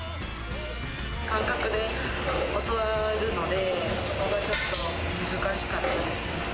感覚で教わるので、そこがちょっと難しかったです。